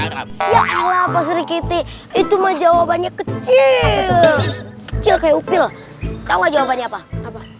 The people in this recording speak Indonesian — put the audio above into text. alam alam srikiti itu mah jawabannya kecil kecil kayak upil kalau jawabannya apa apa